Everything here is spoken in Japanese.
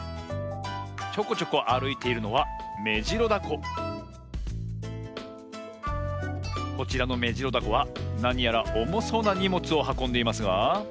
ちょこちょこあるいているのはこちらのメジロダコはなにやらおもそうなにもつをはこんでいますが。